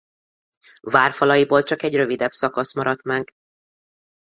Várfalaiból csak egy rövidebb szakasz maradt meg.